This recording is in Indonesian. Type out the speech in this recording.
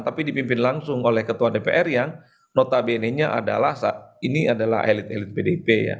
tapi dipimpin langsung oleh ketua dpr yang notabenenya adalah elit elit pdp